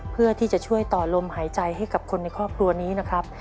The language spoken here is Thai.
เพื่อที่จะช่วยต่อลมหายใจให้กับคนในครอบครัวนี้นะครับ